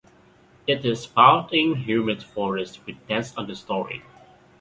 It is found in humid forests with dense understorey.